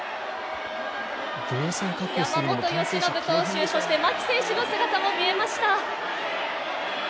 山本由伸投手、牧選手の姿も見えました。